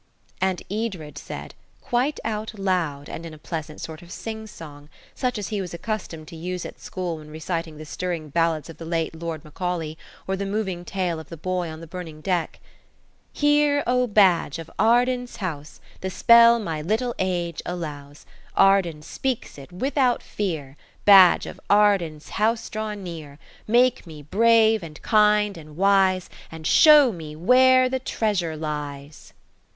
And Edred said, quite out loud and in a pleasant sort of sing song, such as he was accustomed to use at school when reciting the stirring ballads of the late Lord Macaulay, or the moving tale of the boy on the burning deck:– "'Hear, Oh badge of Arden's house, The spell my little age allows; Arden speaks it without fear, Badge of Arden's house, draw near, Make me brave and kind and wise, And show me where the treasure lies.'"